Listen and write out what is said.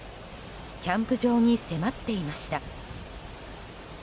キャンプ場に迫っていました。